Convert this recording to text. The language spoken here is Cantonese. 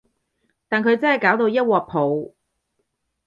但佢真係搞到一鑊泡